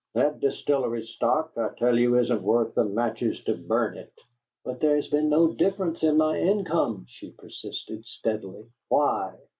"That distillery stock, I tell you, isn't worth the matches to burn it." "But there has been no difference in my income," she persisted, steadily. "Why?